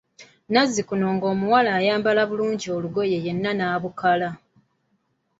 Nazzikuno ng'omuwala ayambala bulungi olugoye yenna n'abukala.